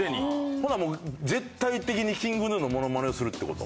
ほなもう絶対的にＫｉｎｇＧｎｕのモノマネをするって事？